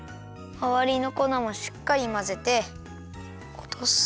まわりのこなもしっかりまぜておとす。